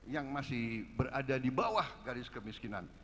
yang masih berada di bawah garis kemiskinan